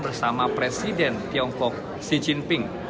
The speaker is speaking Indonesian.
bersama presiden tiongkok xi jinping